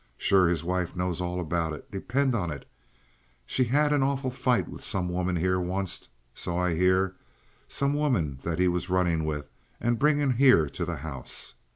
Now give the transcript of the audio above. Sure his wife knows all about it. Depend on it. She had an awful fight with some woman here onct, so I hear, some woman that he was runnin' with and bringin' here to the house.